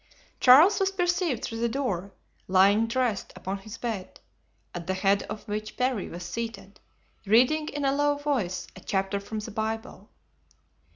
Charles was perceived through the door, lying dressed upon his bed, at the head of which Parry was seated, reading in a low voice a chapter from the Bible.